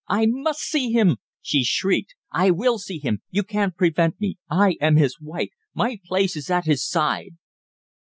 "I must see him!" she shrieked. "I will see him! You can't prevent me. I am his wife. My place is at his side!"